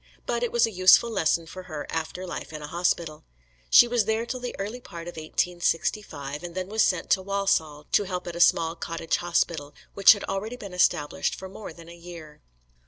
But it was a useful lesson for her after life in a hospital. She was there till the early part of 1865, and then was sent to Walsall to help at a small cottage hospital, which had already been established for more than a year.